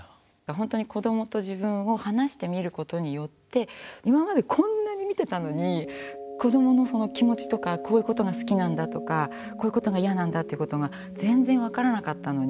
本当に子どもと自分を離して見ることによって今までこんなに見てたのに子どものその気持ちとかこういうことが好きなんだとかこういうことが嫌なんだっていうことが全然分からなかったのに。